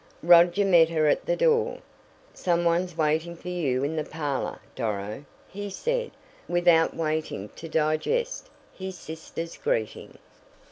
Roger met her at the door. "Some one's waiting for you in the parlor, Doro," he said, without waiting to "digest" his sister's greeting.